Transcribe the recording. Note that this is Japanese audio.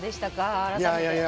改めて。